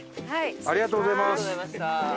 ありがとうございます。